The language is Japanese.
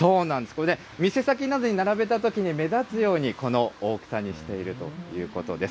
これね、店先などに並べたときに目立つようにこの大きさにしているということです。